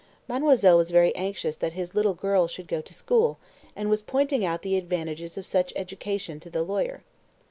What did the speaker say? Mademoiselle was very anxious that his little girl should go to school, and was pointing out the advantages of such education to the lawyer.